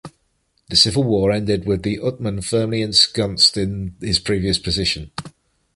The civil war ended with Uthman firmly ensconced in his previous position.